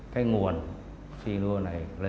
cái nguồn phi lua này